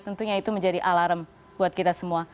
tentunya itu menjadi alarm buat kita semua